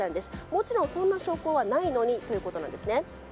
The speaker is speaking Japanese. もちろん、そんな証拠はないのにということなんですね。